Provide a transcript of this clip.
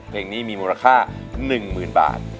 เพลงนี้มีมูลค่า๑๐๐๐บาท